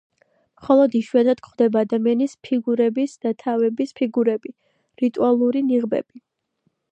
მხოლოდ იშვიათად გვხვდება ადამიანის ფიგურების და თავების ფიგურები, რიტუალური ნიღბები.